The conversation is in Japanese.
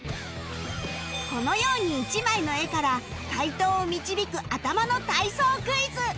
このように１枚の絵から解答を導く頭の体操クイズ